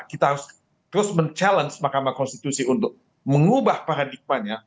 kita harus terus mencabar mahkamah konstitusi untuk mengubah paradigmanya